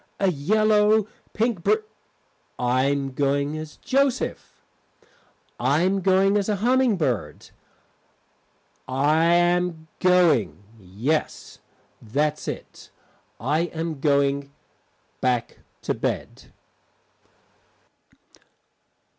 A yellow Pink br I am going as Joseph. I am going as a humming bird. I am going yes, that's it, I am going back to bed.